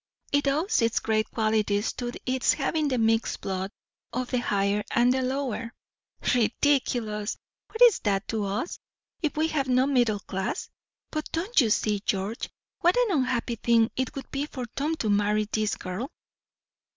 "It owes its great qualities to its having the mixed blood of the higher and the lower." "Ridiculous! What is that to us, if we have no middle class? But don't you see, George, what an unhappy thing it would be for Tom to marry this girl?"